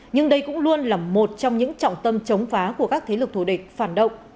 nhưng đây cũng luôn là một trong những trọng tâm chống phá của các thế lực thù địch phản động